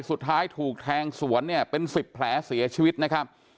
สุดท้ายถูกแทงสวนเนี่ยเป็น๑๐แผลเสียชีวิตนะครับ